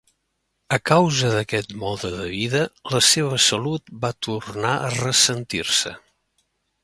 A causa d'aquest mode de vida, la seva salut va tornar a ressentir-se.